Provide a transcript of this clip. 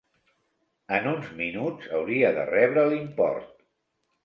En uns minuts hauria de rebre l'import.